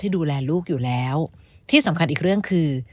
ดูแลลูกอยู่แล้วที่สำคัญอีกเรื่องคือ